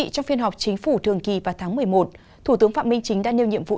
trong phiên họp chính phủ thường kỳ vào tháng một mươi một thủ tướng phạm minh chính đã nêu nhiệm vụ